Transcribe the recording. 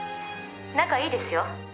「仲いいですよ」